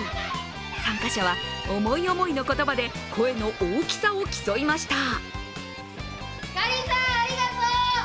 参加者は思い思いの言葉で声の大きさを競いました。